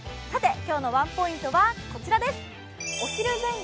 今日のワンポイントはこちらです。